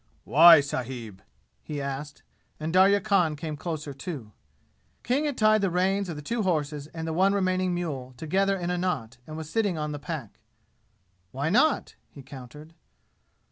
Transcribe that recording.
"Why, sahib?" he asked: and Darya Khan came closer, too. King had tied the reins of the two horses and the one remaining mule together in a knot and was sitting on the pack. "Why not?" he countered.